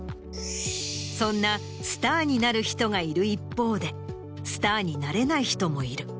そんな「スターになる人」がいる一方で「スターになれない人」もいる。